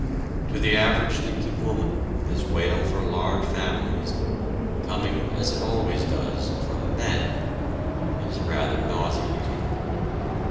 To the average thinking woman, this wail for large families, coming as it always does from men, is rather nauseating.